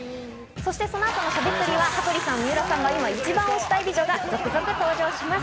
そしてその後の『しゃべくり』は羽鳥さん、水卜さんが今一番推したい美女が続々登場します。